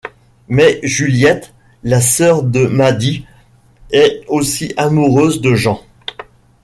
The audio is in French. Mais Juliette, la sœur de Maddy, est aussi amoureuse de Jean.